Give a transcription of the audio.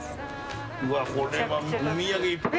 うわこれはお土産いっぱい。